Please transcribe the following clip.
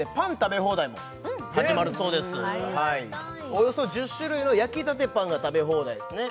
およそ１０種類の焼きたてパンが食べ放題ですね